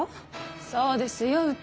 そうですようた。